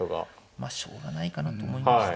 まあしょうがないかなと思いました。